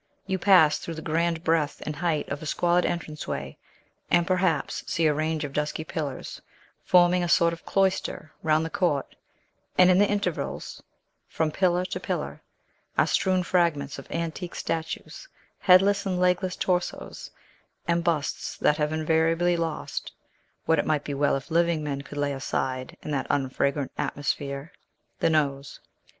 You pass through the grand breadth and height of a squalid entrance way, and perhaps see a range of dusky pillars, forming a sort of cloister round the court, and in the intervals, from pillar to pillar, are strewn fragments of antique statues, headless and legless torsos, and busts that have invariably lost what it might be well if living men could lay aside in that unfragrant atmosphere the nose.